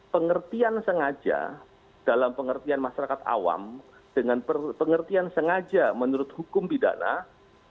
pengertian sengaja dalam pengertian masyarakat awam dengan pengertian sengaja menurut hukum bidana itu berbeda